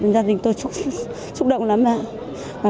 gia đình tôi xúc động lắm ạ